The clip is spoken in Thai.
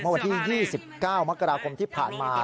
เมื่อวันที่๒๙มคที่ผ่านมา